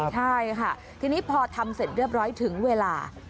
ใช่ค่ะทีนี้พอทำเสร็จเรียบร้อยถึงเวลา